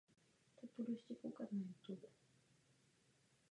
Podílí se také na různých charitativních projektech.